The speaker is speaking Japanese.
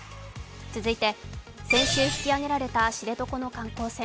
続いて先週引き揚げられた知床の観光船。